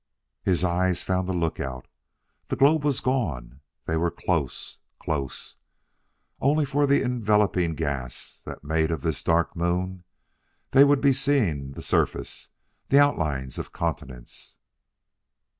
His eyes found the lookout; the globe was gone. They were close close! Only for the enveloping gas that made of this a dark moon, they would be seeing the surface, the outlines of continents.